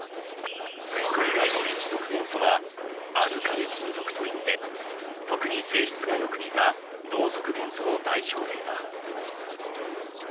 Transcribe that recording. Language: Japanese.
水素以外の１族元素はアルカリ金属といって特に性質がよく似た同族元素の代表例だ。